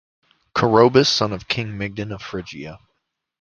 Coroebus, son of King Mygdon of Phrygia.